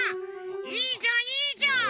いいじゃんいいじゃん！